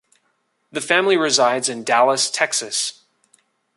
The family resides in Dallas, Texas.